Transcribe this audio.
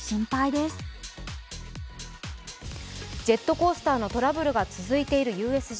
ジェットコースターのトラブルが続いているＵＳＪ。